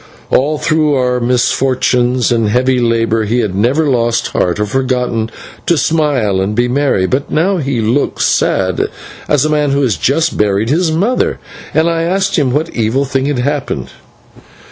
All through our misfortunes and heavy labour he had never lost heart, or forgotten to smile and be merry, but now he looked sad as a man who has just buried his mother, and I asked him what evil thing had happened.